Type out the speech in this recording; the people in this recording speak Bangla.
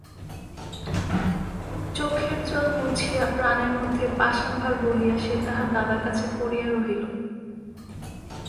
চোখের জল মুছিয়া প্রাণের মধ্যে পাষাণভার বহিয়া সে তাহার দাদার কাছে পড়িয়া রহিল।